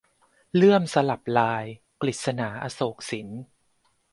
เลื่อมสลับลาย - กฤษณา อโศกสิน